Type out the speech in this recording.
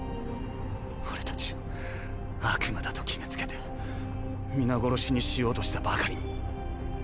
俺たちを悪魔だと決めつけて皆殺しにしようとしたばかりに。